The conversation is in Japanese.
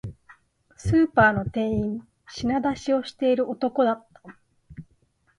スーパーの店員、品出しをしている男だった